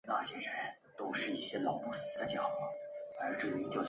印华总会和印华百家姓协会是现存两个较具影响力的印尼华人社团。